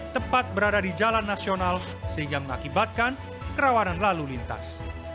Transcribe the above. tepat berada di jalan nasional sehingga mengakibatkan kerawanan lalu lintas